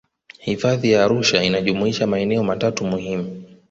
hifadhi ya arusha inajumuisha maeneo matatu muhimu